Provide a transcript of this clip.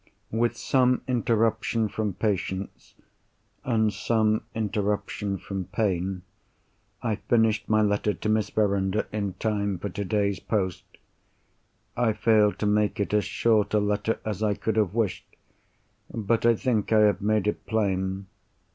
With some interruption from patients, and some interruption from pain, I finished my letter to Miss Verinder in time for today's post. I failed to make it as short a letter as I could have wished. But I think I have made it plain.